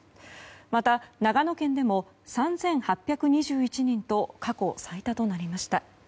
また、長野県でも３８２１人と過去最多となりました。